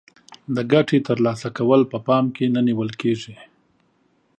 د ګټې تر لاسه کول په پام کې نه نیول کیږي.